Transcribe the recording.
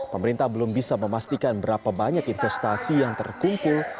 pemerintah belum bisa memastikan berapa banyak investasi yang terkumpul